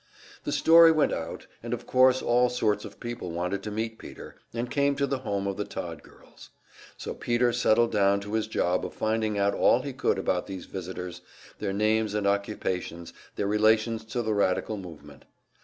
The story went out, and of course all sorts of people wanted to meet Peter, and came to the home of the Todd girls. So Peter settled down to his job of finding out all he could about these visitors, their names and occupations, their relations to the radical movement.